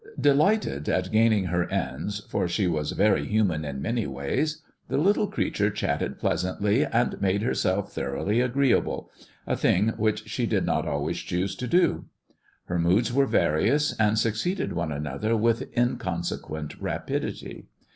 Delighted at gaining her ends, for she was very human in many ways, the little creature chatted pleasantly, and made herself thoroughly agreeable, a thing which she did not always choose to do. Her moods were various, and succeeded one another with inconsequent rapidity.